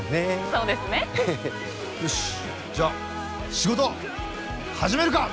そうですねよしじゃあ仕事始めるか！